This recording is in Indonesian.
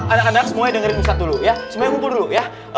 anak anak semuanya dengerin satu dulu ya